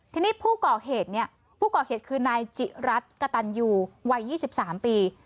ทีนี้ผู้ก่อเหตุเนี่ยผู้ก่อเหตุคือนายจิรัตน์กระตันยูวัย๒๓ปี